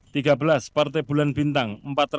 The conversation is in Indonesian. tiga belas partai bulan bintang